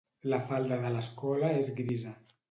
La falda de l'escola és grisa.